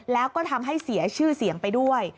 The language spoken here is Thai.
แล้วก็ทำให้เสียชื่อเสียงไปด้วย